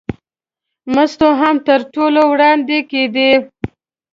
مستو هم تر ټولو وړاندې کېده.